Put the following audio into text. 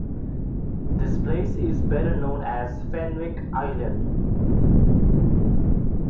This place is better known as Fenwick Island.